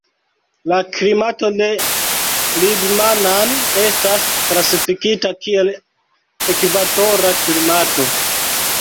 La klimato de Libmanan estas klasifikita kiel ekvatora klimato.